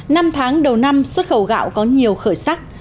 năm tháng đầu năm xuất khẩu gạo có nhiều khởi sắc